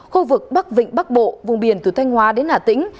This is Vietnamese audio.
khu vực bắc vịnh bắc bộ vùng biển từ thanh hóa đến hà tĩnh